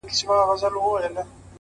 دا وايي دا توره بلا وړي څوك؛